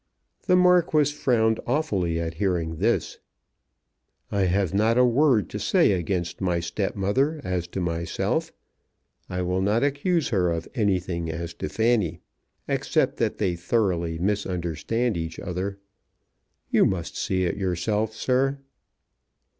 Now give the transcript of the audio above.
The Marquis frowned awfully at hearing this. "I have not a word to say against my stepmother as to myself. I will not accuse her of anything as to Fanny, except that they thoroughly misunderstand each other. You must see it yourself, sir."